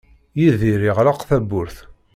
Yidir yeɣleq tawwurt.